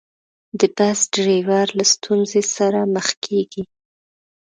د بس ډریور له ستونزې سره مخ کېږي.